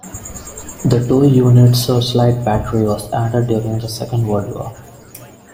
A two unit searchlight battery was added during the Second World War.